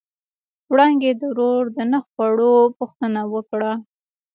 وړانګې د ورور د نه خوړو پوښتنه وکړه.